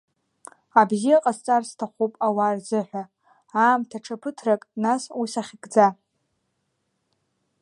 Абзиа ҟасҵар сҭахуп ауаа рзыҳәа, аамҭа, ҽа ԥыҭрак, нас, уи сахьыгӡа!